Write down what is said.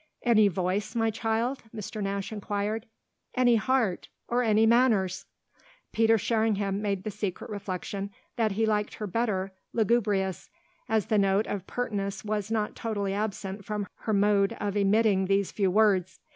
"Any voice, my child?" Mr. Nash inquired. "Any heart or any manners!" Peter Sherringham made the secret reflexion that he liked her better lugubrious, as the note of pertness was not totally absent from her mode of emitting these few words.